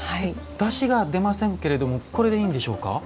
だしが出ませんけれどもこれでいいんでしょうか？